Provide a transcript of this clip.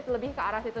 lebih ke arah situ